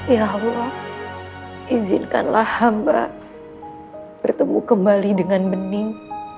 ya allah izinkanlah hamba bertemu kembali dengan bening